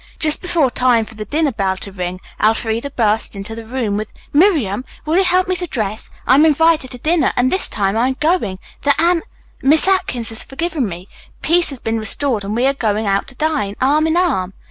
Just before time for the dinner bell to ring, Elfreda burst into the room with: "Miriam, will you help me to dress? I am invited to dinner and this time I am going. The An Miss Atkins has forgiven me, peace has been restored and we are going out to dine, arm in arm."